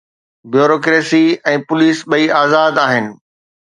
Bureaucracy ۽ police ٻئي آزاد آهن.